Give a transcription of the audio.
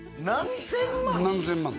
何千万？